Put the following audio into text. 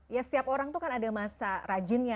ya setiap orang tuh kan ada masa rajinnya